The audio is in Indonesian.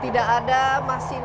tidak ada masinis yang